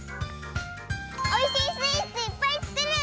おいしいスイーツいっぱいつくる！